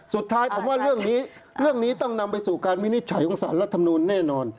สุดท้ายผมว่าเรื่องนี้ต้องนำไปสู่การวินิจฉัยของศาลรัฐธรรมนุนแน่นอน